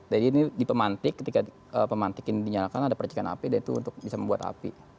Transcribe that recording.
jadi ini di pemantik ketika pemantik ini dinyalakan ada percikan api dan itu untuk bisa membuat api